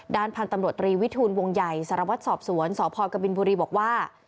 พันธุ์ตำรวจตรีวิทูลวงใหญ่สารวัตรสอบสวนสพกบินบุรีบอกว่า